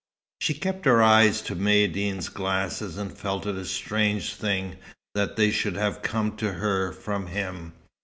She kept her eyes to Maïeddine's glasses, and felt it a strange thing that they should have come to her from him.